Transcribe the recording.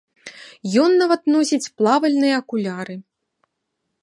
Ён нават носіць плавальныя акуляры.